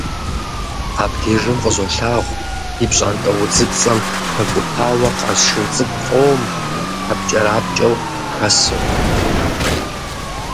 Абдежым къызолъагъу ди пщӀантӀэ удзыпцӀэм хэкӀутауэ къаз шыр цӀыкӀу къом хьэпкӀэрапкӀэу хэсу.